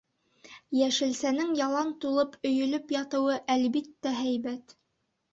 Йәшелсәнең ялан тулып өйөлөп ятыуы, әлбиттә, һәйбәт.